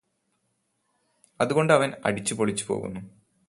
അതുകൊണ്ട് അവന് അടിച്ചുപൊളിച്ച് പോകുന്നു